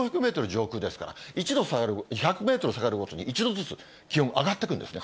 上空ですから、１度下がると２００メートル下がるごとに、１度ずつ気温上がっていくんですね。